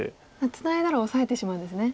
ツナいだらオサえてしまうんですね。